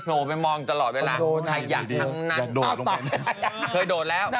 คอร์งแสนแสบนี่บ้านฉันติดคอร์งแสนแสบ